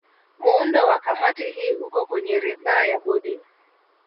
Muundo wa Kamati hii uko kwenye ridhaa ya Bodi